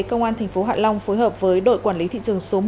công an tp hạ long phối hợp với đội quản lý thị trường số một